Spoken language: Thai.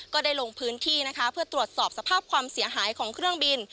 ก็ได้ลงพื้นที่นะคะเพื่อตรวจสอบสภาพความเสียหายของเครื่องบิน